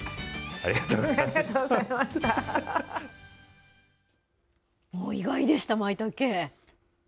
ありがとうございます。